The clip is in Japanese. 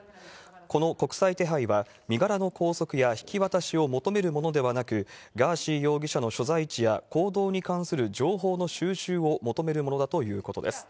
この国際手配は、身柄の拘束や引き渡しを求めるものではなく、ガーシー容疑者の所在地や行動に関する情報の収集を求めるものだということです。